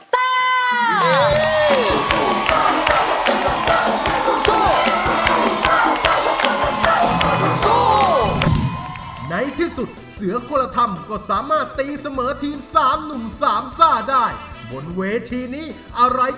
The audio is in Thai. ตอนนี้เสื้อคนละท่ำมีคะแนนตีเสมอมาได้แล้วเป็น๒คะแนน